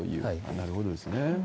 なるほどですね。